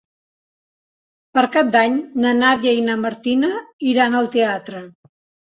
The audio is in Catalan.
Per Cap d'Any na Nàdia i na Martina iran al teatre.